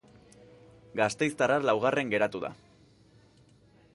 Gasteiztarra laugarren geratu da.